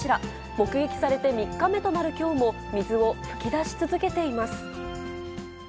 目撃されて３日目となるきょうも、水を噴き出し続けています。